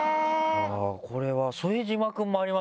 これは副島くんもあります？